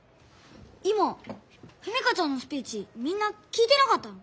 今史佳ちゃんのスピーチみんな聞いてなかったの？